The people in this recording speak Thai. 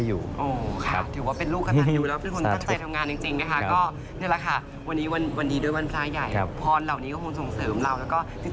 โอ้โหค่ะแต่ว่าเป็นลูกขนาดนั้นอยู่แล้ว